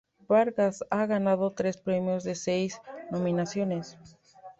Vargas ha ganado tres premios de seis nominaciones.